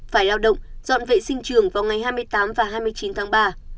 phải lao động dọn vệ sinh trường vào ngày hai mươi tám và hai mươi chín tháng ba